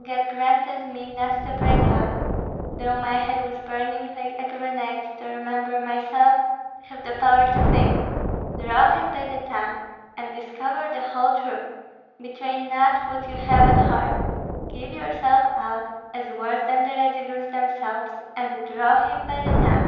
God granted me not to break out, though my head was burning like a grenade, to remember myself, to have the power to think: 'Draw him by the tongue, and discover the whole truth; betray not what you have at heart, give yourself out as worse than the Radzivills themselves, and draw him by the tongue.'"